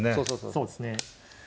そうですね。